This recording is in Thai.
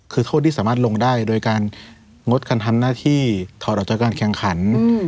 คือโทษที่สามารถลงได้โดยการงดการทำหน้าที่ถอดออกจากการแข่งขัน